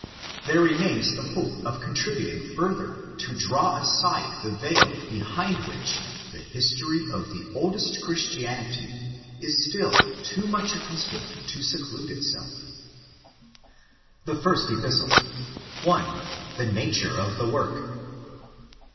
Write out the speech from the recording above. There remains the hope of contributing further to draw aside the veil behind which the history of the oldest Christianity is still too much accustomed to seclude itself. THE FIRST EPISTLE. 1.—TaHe Nature oF THE Work.